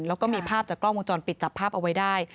แล้วก็มีภาพจากกล้องวงจรปิดจับภาพเอาไว้ได้